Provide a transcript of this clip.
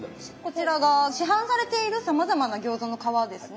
こちらが市販されているさまざまな餃子の皮ですね。